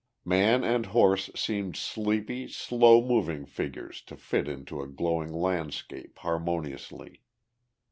Man and horse seemed sleepy, slow moving figures to fit into a glowing landscape, harmoniously.